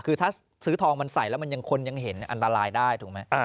คือถ้าซื้อทองมันใส่แล้วมันยังคนยังเห็นอันตรายได้ถูกไหม